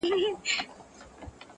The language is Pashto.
پلار چوپتيا کي عذاب وړي تل,